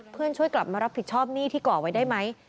ช่วยกลับมารับผิดชอบหนี้ที่ก่อไว้ได้ไหม